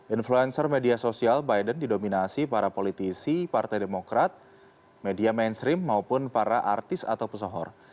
influencer media sosial biden didominasi para politisi partai demokrat media mainstream maupun para artis atau pesohor